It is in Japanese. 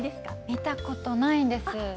見たことはないです。